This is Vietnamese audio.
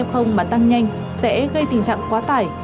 không mà tăng nhanh sẽ gây tình trạng quá tải